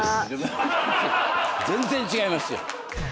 全然違いますよ。